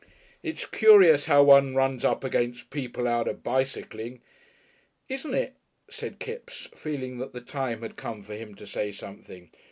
It's curious how one runs up against people out bicycling!" "Isn't it!" said Kipps, feeling that the time had come for him to say something.